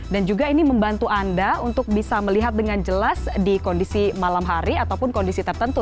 dan juga ini membantu anda untuk bisa melihat dengan jelas di kondisi malam hari ataupun kondisi tertentu